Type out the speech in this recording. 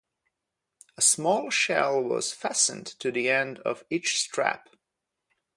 A small shell was fastened to the end of each strap.